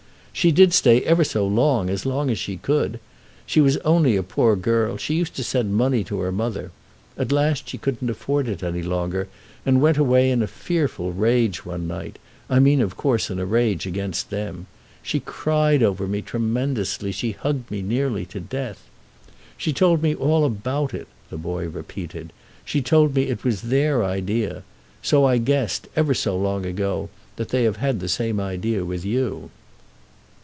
"She did stay ever so long—as long an she could. She was only a poor girl. She used to send money to her mother. At last she couldn't afford it any longer, and went away in a fearful rage one night—I mean of course in a rage against them. She cried over me tremendously, she hugged me nearly to death. She told me all about it," the boy repeated. "She told me it was their idea. So I guessed, ever so long ago, that they have had the same idea with you."